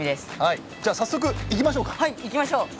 早速、行きましょうか。